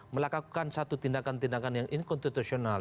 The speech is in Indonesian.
melakukan satu tindakan tindakan yang inkonstitusional